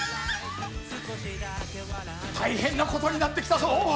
大変なことになってきたぞ。